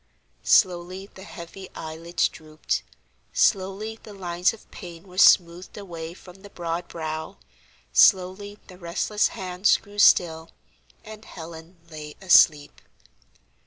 Slowly the heavy eyelids drooped, slowly the lines of pain were smoothed away from the broad brow, slowly the restless hands grew still, and Helen lay asleep.